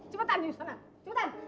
cepetan you sana cepetan